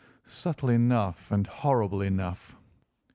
"Subtle enough and horrible enough.